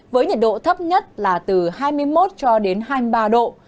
với nhiệt độ thấp nhất là từ hai mươi một cho đến hai mươi ba độ